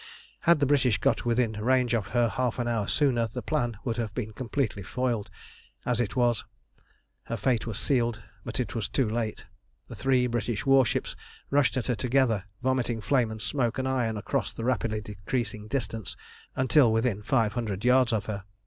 Had the British got within range of her half an hour sooner the plan would have been completely foiled. As it was, her fate was sealed, but it was too late. The three British warships rushed at her together, vomiting flame and smoke and iron across the rapidly decreasing distance, until within five hundred yards of her.